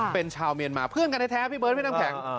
เป็นชาวเมียนมาเพื่อนกันแท้พี่เบิร์ดพี่น้ำแข็ง